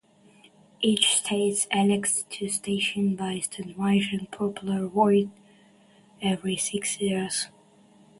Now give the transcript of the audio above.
Each state elects two senators by statewide popular vote every six years.